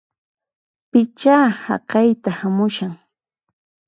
Pichá haqayta hamushan!